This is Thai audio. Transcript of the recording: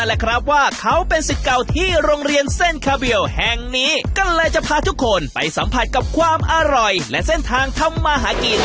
แหละครับว่าเขาเป็นสิทธิ์เก่าที่โรงเรียนเส้นคาเบียลแห่งนี้ก็เลยจะพาทุกคนไปสัมผัสกับความอร่อยและเส้นทางทำมาหากิน